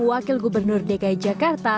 wakil gubernur dki jakarta